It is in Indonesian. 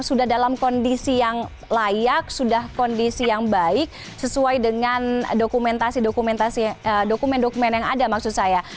sudah dalam kondisi yang layak sudah kondisi yang baik sesuai dengan dokumen dokumen yang ada maksud saya